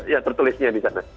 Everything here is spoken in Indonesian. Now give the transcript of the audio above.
yang tertulisnya di sana